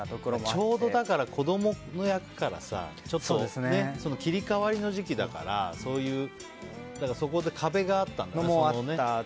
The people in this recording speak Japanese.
ちょうど子供の役から切り替わりの時期だからそこで壁があったんだね。